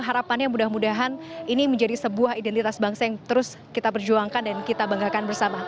harapannya mudah mudahan ini menjadi sebuah identitas bangsa yang terus kita perjuangkan dan kita banggakan bersama